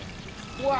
うわ。